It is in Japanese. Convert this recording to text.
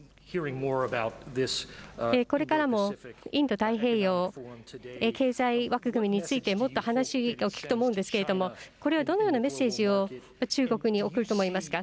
これからもインド太平洋経済枠組みについて、もっと話を聞くと思うんですけれども、これはどのようなメッセージを中国に送ると思いますか。